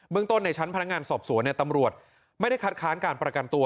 ต้นในชั้นพนักงานสอบสวนตำรวจไม่ได้คัดค้านการประกันตัว